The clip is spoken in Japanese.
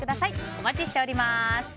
お待ちしております。